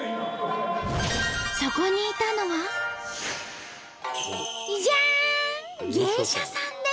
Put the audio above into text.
そこにいたのはじゃん！